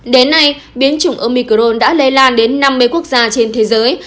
đến nay biến chủng omicron đã lây lan đến năm mươi quốc gia trên thế giới